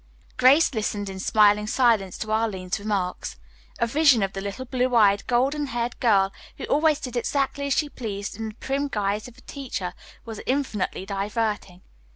Grace listened in smiling silence to Arline's remarks. A vision of the little blue eyed golden haired girl who always did exactly as she pleased in the prim guise of a teacher was infinitely diverting.